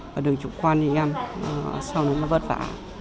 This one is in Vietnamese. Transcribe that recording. và đừng trục quan như em sau đó nó vất vả